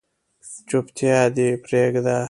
چوپتیا دې پریږده